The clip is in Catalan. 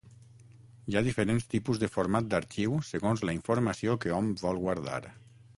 Hi ha diferents tipus de format d'arxiu segons la informació que hom vol guardar.